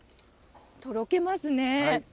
とろけますね。